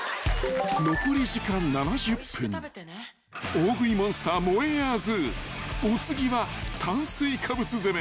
［大食いモンスターもえあずお次は炭水化物攻め］